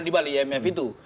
di bali imf itu